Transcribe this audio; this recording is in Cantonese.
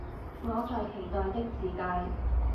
我在期待的自介